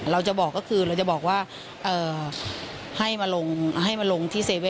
เราจะบอกก็คือเราจะบอกว่าให้มาลงให้มาลงที่๗๑๑